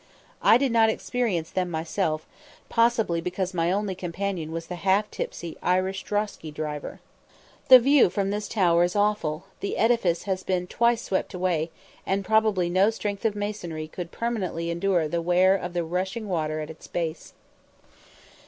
I did not experience them myself, possibly because my only companion was the half tipsy Irish drosky driver. The view from this tower is awful: the edifice has been twice swept away, and probably no strength of masonry could permanently endure the wear of the rushing water at its base.